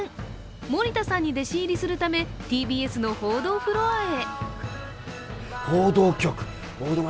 森田さんに弟子入りするため、ＴＢＳの報道フロアへ。